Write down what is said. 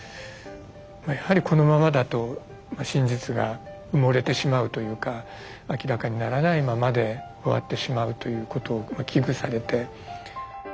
やはりこのままだと真実が埋もれてしまうというか明らかにならないままで終わってしまうということを危惧されて。